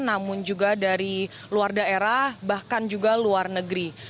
namun juga dari luar daerah bahkan juga luar negeri